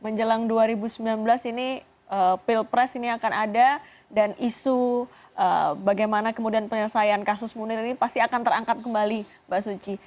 menjelang dua ribu sembilan belas ini pilpres ini akan ada dan isu bagaimana kemudian penyelesaian kasus munir ini pasti akan terangkat kembali mbak suci